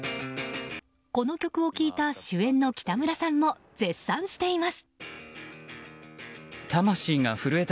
この曲を聴いた主演の北村さんも絶賛しています。